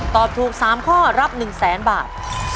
ตอบถูก๓ข้อรับ๑๐๐๐๐๐บาท